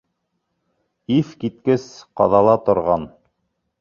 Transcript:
—Иҫ киткес ҡаҙала торған